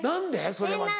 それは。